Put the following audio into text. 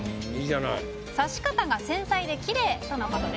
「刺し方が繊細できれい」とのことです。